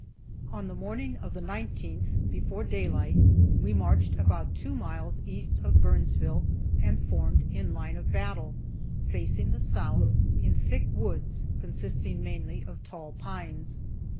On the morning of the 19th, before daylight, we marched about two miles east of Burnsville, and formed in line of battle, facing the south, in thick woods, consisting mainly of tall pines.